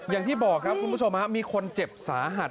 อย่างที่บอกครับคุณผู้ชมมีคนเจ็บสาหัส